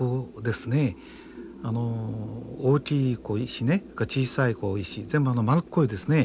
あの大きい石小さい石全部丸っこいですね。